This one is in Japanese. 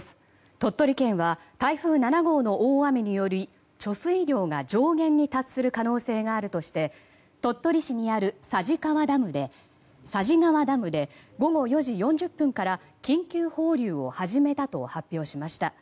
鳥取県は、台風７号の大雨により貯水量が上限に達する可能性があるとして鳥取市にある佐治川ダムで午後４時４０分から緊急放流を始めたと発表しました。